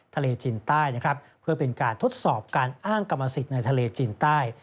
ทะเลจีนใต้นะครับเพื่อเป็นการทดสอบการอ้างกรรมสิทธิ์ในทะเลจีนใต้